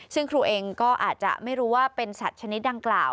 ซึ่งครูเองก็อาจจะไม่รู้ว่าเป็นสัตว์ชนิดดังกล่าว